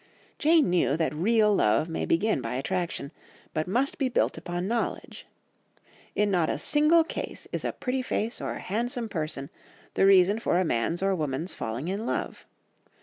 Jane knew that real love may begin by attraction, but must be built upon knowledge. In not a single case is a pretty face or a handsome person the reason for a man's or woman's falling in love.